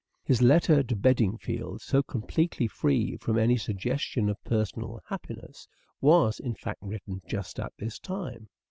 His letter to Bedingfield, so completely free from any suggestion of personal unhappiness, was, in fact, written just at this time.